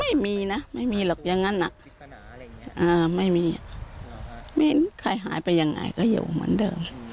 ไม่มีนะไม่มีหรอกอย่างนั้นไม่มีไม่มีใครหายไปยังไงก็อยู่เหมือนเดิม